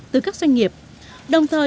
từ các doanh nghiệp đồng thời